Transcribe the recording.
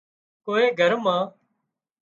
ڪوئي گھر مان